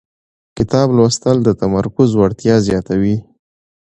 کتاب لوستل د تمرکز وړتیا زیاتوي